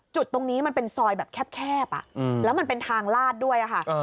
จุดตรงนี้มันเป็นซอยแบบแคบแล้วมันเป็นทางลาดด้วยค่ะ